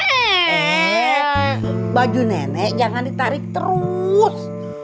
eh baju nenek jangan ditarik terus